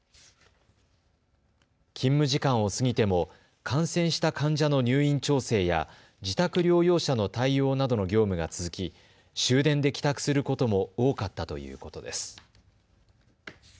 勤務時間を過ぎても感染した患者の入院調整や自宅療養者の対応などの業務が続き、終電で帰宅することも多かったということです。